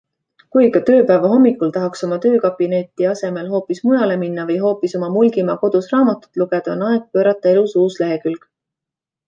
Kui ikka tööpäeva hommikul tahaks oma töökabineti asemel hoopis mujale minna või hoopis oma Mulgimaa kodus raamatut lugeda, on aeg pöörata elus uus lehekülg.